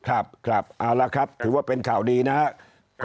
เอาละครับถือว่าเป็นข่าวดีนะครับ